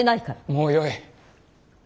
もうよい。